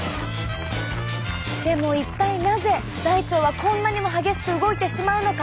でも一体なぜ大腸はこんなにも激しく動いてしまうのか。